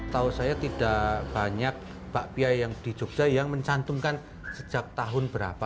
tahu saya tidak banyak bakpia yang di jogja yang mencantumkan sejak tahun berapa